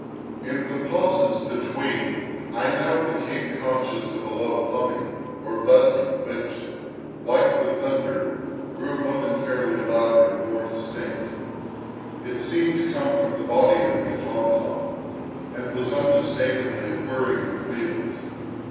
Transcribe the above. In the pauses between I now became conscious of a low humming or buzzing which, like the thunder, grew momentarily louder and more distinct. It seemed to come from the body of the automaton, and was unmistakably a whirring of wheels.